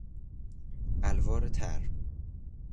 الوار تر